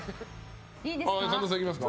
神田さん、行きますか。